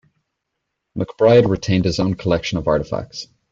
McBride retained his own collection of artifacts.